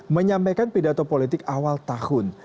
menyampaikan pidato politik awal tahun